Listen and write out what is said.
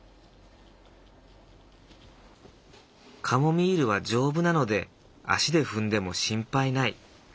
カモミールは丈夫なので足で踏んでも心配無い。